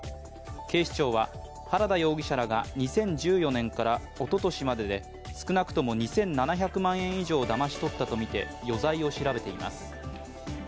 警視庁は、原田容疑者らが２０１４年からおととしまでで少なくとも２７００万円以上だまし取ったとみて余罪を調べています。